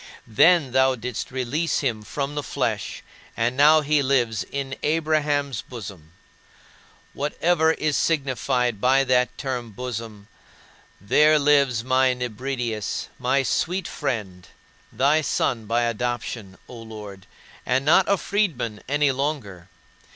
Then thou didst release him from the flesh, and now he lives in Abraham's bosom. Whatever is signified by that term "bosom," there lives my Nebridius, my sweet friend, thy son by adoption, O Lord, and not a freedman any longer.